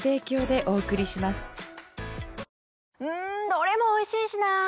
どれもおいしいしなぁ。